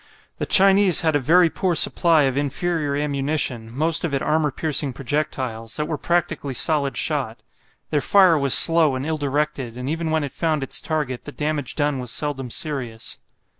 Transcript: The Chinese had a very poor supply of inferior ammunition, most of it armour piercing projectiles, that were practically solid shot. Their fire was slow and ill directed, and even when it found its target the damage done was seldom serious.